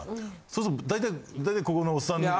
そうすると大体大体ここにおっさんの。